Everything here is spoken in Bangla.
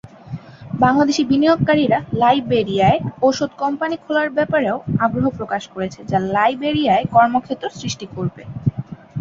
বাংলাদেশি বিনিয়োগকারীরা লাইবেরিয়ায় ঔষধ কোম্পানি খোলার ব্যাপারেও আগ্রহ প্রকাশ করেছে যা লাইবেরিয়ায় কর্মক্ষেত্র সৃষ্টি করবে।